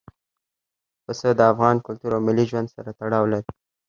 پسه د افغان کلتور او ملي ژوند سره تړاو لري.